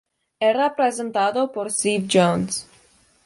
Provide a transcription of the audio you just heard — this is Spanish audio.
Era presentado por Steve Jones.